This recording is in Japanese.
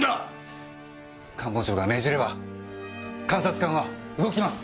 官房長が命じれば監察官は動きます！